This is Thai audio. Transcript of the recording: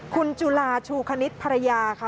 คุณจุลาชูคณิตภรรยาค่ะ